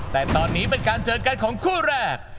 แต่ตอนนี้เป็นการเจอกันของคู่แรก